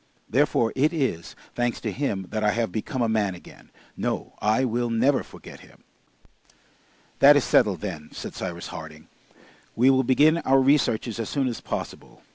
Therefore it is, thanks to him, that I have become a man again. No, I will never forget him!" "That is settled, then," said Cyrus Harding. "We will begin our researches as soon as possible.